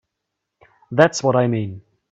That's what I mean.